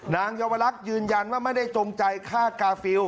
เยาวลักษณ์ยืนยันว่าไม่ได้จงใจฆ่ากาฟิล